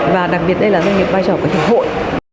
và đặc biệt đây là doanh nghiệp vai trò của chủ hội